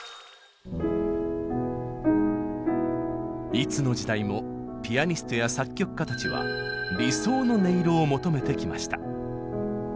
いつの時代もピアニストや作曲家たちは理想の音色を求めてきました。